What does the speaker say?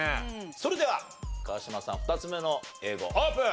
それでは川島さん２つ目の英語オープン！